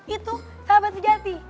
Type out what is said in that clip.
itu sahabat sejati